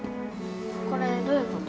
これどういうこと？